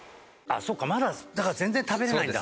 そっかまだだから全然食べられないんだ。